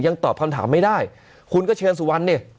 ตอบคำถามไม่ได้คุณก็เชิญสุวรรณเนี่ย